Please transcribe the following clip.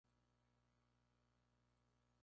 La Noche del Crimen